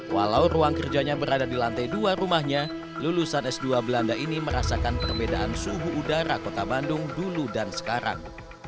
walau ruang kerjanya berada di lantai dua rumahnya lulusan s dua belanda ini merasakan perbedaan suhu udara kota bandung dulu dan sekarang